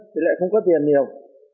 thì lại không có tiền nhiều